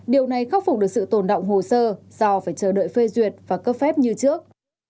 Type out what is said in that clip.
điều này khắc phục được sự tồn động hồ sơ do phải chờ đợi phê duyệt và cấp phép như trước